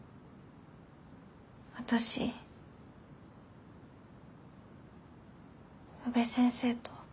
私宇部先生と。